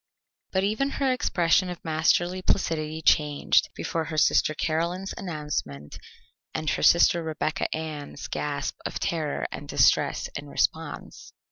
But even her expression of masterly placidity changed before her sister Caroline's announcement and her sister Rebecca Ann's gasp of terror and distress in response.